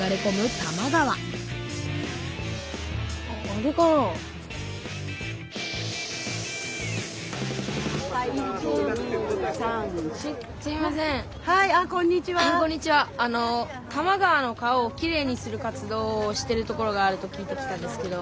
多摩川の川をきれいにする活動をしてるところがあると聞いて来たんですけど。